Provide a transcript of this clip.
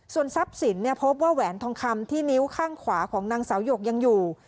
ส่วนทรัพย์สินพบว่าแหวนทองคำที่นิ้วข้างขวาของนางสาวหยกยังอยู่